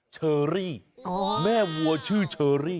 เชอรี่แม่วัวชื่อเชอรี่